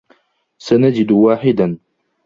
سنجد واحدا.